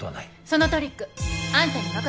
そのトリックあんたに任せた。